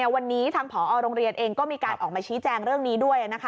วันนี้ทางผอโรงเรียนเองก็มีการออกมาชี้แจงเรื่องนี้ด้วย